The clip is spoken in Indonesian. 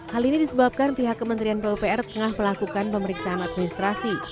hal ini disebabkan pihak kementerian pupr tengah melakukan pemeriksaan administrasi